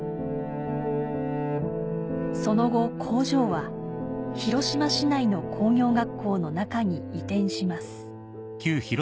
その後工場は広島市内の工業学校の中に移転します